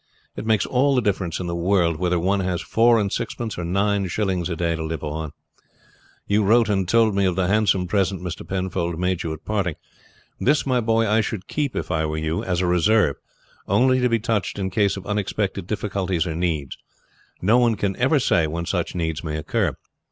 It makes all the difference in the world whether one has four and sixpence or nine shillings a day to live upon. You wrote and told me of the handsome present Mr. Penfold made you at parting. This, my boy, I should keep if I were you as a reserve, only to be touched in case of unexpected difficulties or needs. No one can ever say when such needs may occur.